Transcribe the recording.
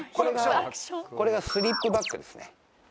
これがスリップ・バックですね。